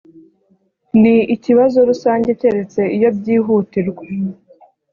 ni ikibazo rusange keretse iyo byihutirwa